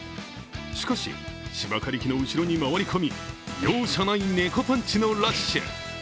しかし、芝刈り機の後ろに回り込み容赦ない猫パンチのラッシュ。